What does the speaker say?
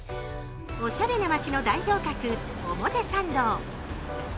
おしゃれな街の代表格・表参道。